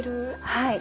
はい。